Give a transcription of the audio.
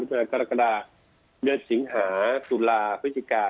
ในปริงฯกรกฎามีวันสี่งหาตุระฝทิกา